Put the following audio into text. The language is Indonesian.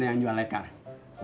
lekar buat ales al quran